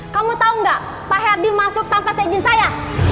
kamu tau gak pak herdi masuk tanpa izin saya